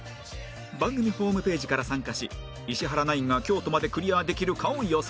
番組ホームページから参加し石原ナインが京都までクリアできるかを予想